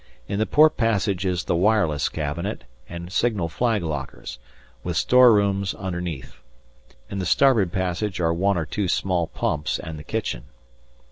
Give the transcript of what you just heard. In the port passage is the wireless cabinet and signal flag lockers, with store rooms underneath. In the starboard passage are one or two small pumps and the kitchen.